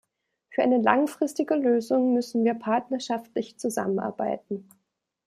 Für eine langfristige Lösung müssen wir partnerschaftlich zusammenarbeiten.